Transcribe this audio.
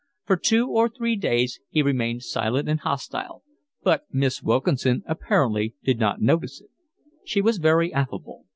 For two or three days he remained silent and hostile, but Miss Wilkinson apparently did not notice it. She was very affable.